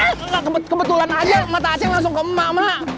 enggak kebetulan aja mata asyik langsung ke mak mak